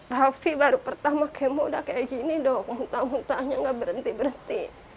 raffi baru pertama kemo udah kayak gini dong muntah muntahnya gak berhenti berhenti